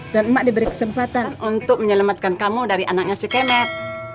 dan mak diberi kesempatan untuk menyelamatkan kamu dari anaknya si kement